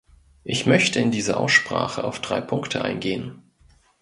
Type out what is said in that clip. Ich möchte in dieser Aussprache auf drei Punkte eingehen.